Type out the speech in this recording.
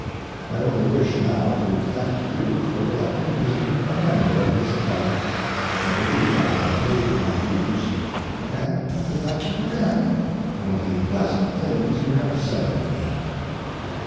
I only wish now to thank you for electing me a member of this club—I believe I have paid my dues—and to thank you again for the pleasant things you have said of me.